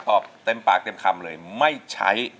เต็มปากเต็มคำเลยไม่ใช้